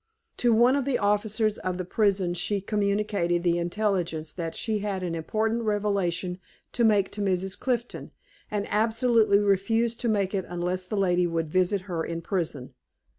To one of the officers of the prison she communicated the intelligence that she had an important revelation to make to Mrs. Clifton, and absolutely refused to make it unless the lady would visit her in prison.